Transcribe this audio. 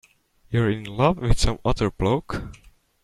You're in love with some other bloke?